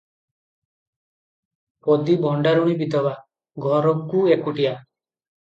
ପଦୀ ଭଣ୍ଡାରୁଣୀ ବିଧବା- ଘରକୁ ଏକୁଟିଆ ।